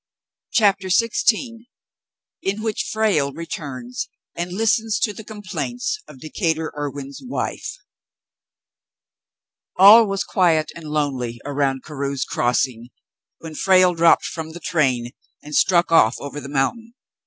CHAPTER XVI IN WHICH FRALE RETURNS AND LISTENS TO THE COM PLAINTS OF DECATUR IRWIN's WIFE All was quiet and lonely around Carew's Crossing when Frale dropped from the train and struck off over the mountain.